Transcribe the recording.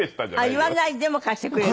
言わないでも貸してくれるから？